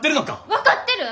分かってる！